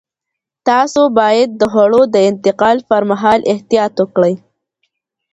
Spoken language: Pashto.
تاسو باید د خوړو د انتقال پر مهال احتیاط وکړئ.